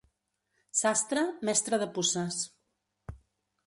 Sastre, mestre de puces.